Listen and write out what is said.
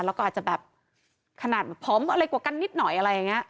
แล้วก็อาจจะแบบขนาดผอมอะไรกว่ากันนิดหน่อยอะไรอย่างนี้